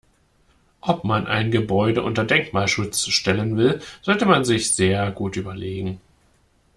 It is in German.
Ob man ein Gebäude unter Denkmalschutz stellen will, sollte man sich sehr gut überlegen.